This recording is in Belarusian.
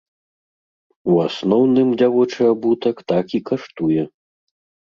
У асноўным дзявочы абутак так і каштуе.